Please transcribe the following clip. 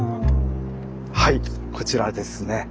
はいこちらですね。